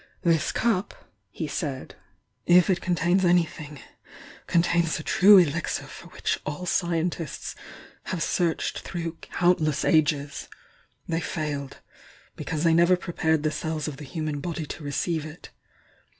. Inis cup," he said— "if it contains any thine con tains the true elixir for which all scientists have searched through countless ages. They fa led be! cause they never prepared the cells of the human body to receive it.